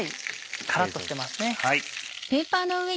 カラっとしてますね。